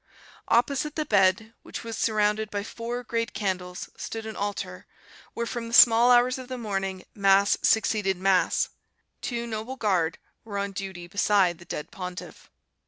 Opposite the bed, which was surrounded by four great candles, stood an altar, where from the small hours of the morning Mass succeeded Mass; two Noble Guard were on duty beside the dead pontiff.